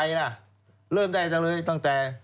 ใครละเริ่มได้เลยตั้งแจ